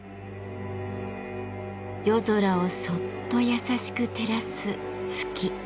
夜空をそっと優しく照らす月。